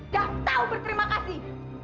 gak tahu berterima kasih